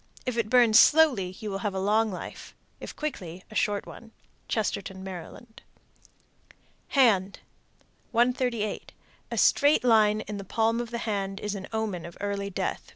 If it burns slowly you will have a long life. If quickly, a short one. Chestertown, Md. HAND. 138. A straight line in the palm of the hand is an omen of early death.